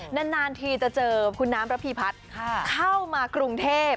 นานทีจะเจอคุณน้ำระพีพัฒน์เข้ามากรุงเทพ